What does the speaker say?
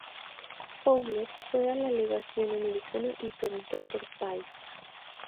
Fowler fue a la Legación americana y preguntó por Pyle.